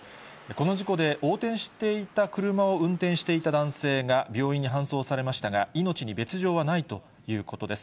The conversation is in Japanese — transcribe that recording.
この事故で、横転していた車を運転していた男性が病院に搬送されましたが、命に別状はないということです。